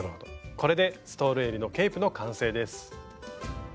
これで「ストールえりのケープ」の完成です。